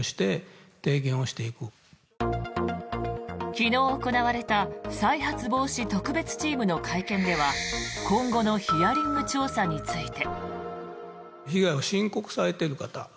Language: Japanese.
昨日行われた再発防止特別チームの会見では今後のヒアリング調査について。